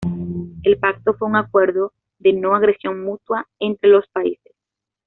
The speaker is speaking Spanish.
El pacto fue un acuerdo de no agresión mutua entre los países.